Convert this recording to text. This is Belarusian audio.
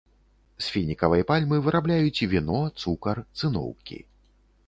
З фінікавай пальмы вырабляюць віно, цукар, цыноўкі.